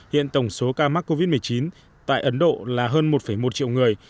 hiện tổng số ca mắc covid một mươi chín tại ấn độ là hơn một một triệu người